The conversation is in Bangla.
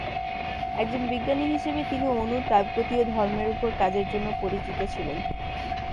একজন বিজ্ঞানী হিসেবে তিনি অণুর তাপগতীয় ধর্মের উপর কাজের জন্য পরিচিত ছিলেন।